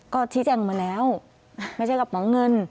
ก็ชี้แจ้งมาแล้วไม่ใช่กระป๋องเงิน